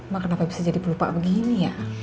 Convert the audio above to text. maka kenapa bisa jadi pelupa begini ya